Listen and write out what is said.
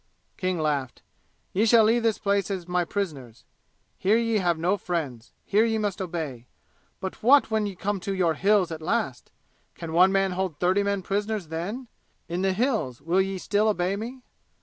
King laughed. "Ye shall leave this place as my prisoners. Here ye have no friends. Here ye must obey. But what when ye come to your 'Hills' at last? Can one man hold thirty men prisoners then? In the 'Hills' will ye still obey me?"